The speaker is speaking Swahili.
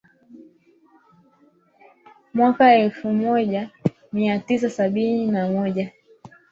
mwaka elfu moja mia tisa sabini na moja